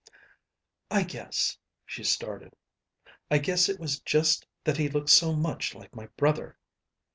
"I guess," she started, "... I guess it was just that he looked so much like my brother."